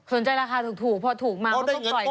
สนใจราคาถูกพอถูกมาก็ต้องปล่อยด้วยแล้ว